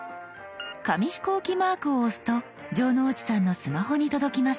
紙飛行機マークを押すと城之内さんのスマホに届きます。